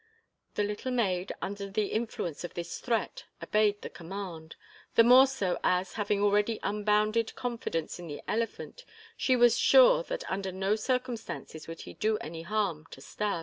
The little maid, under the influence of this threat, obeyed the command; the more so as, having already unbounded confidence in the elephant, she was sure that under no circumstances would he do any harm to Stas.